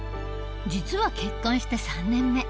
実は結婚して３年目。